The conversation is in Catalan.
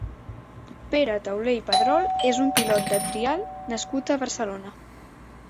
Pere Taulé i Pedrol és un pilot de trial nascut a Barcelona.